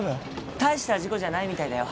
大した事故じゃないみたいだよ